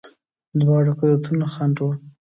دواړه قدرتونه خنډ وه.